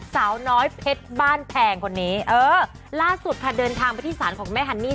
สาวน้อยเพชรบ้านแพงคนนี้เออล่าสุดค่ะเดินทางไปที่ศาลของแม่ฮันนี่